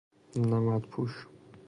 نمد پوش